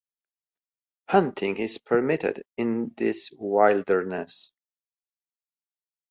Hunting is permitted in this wilderness.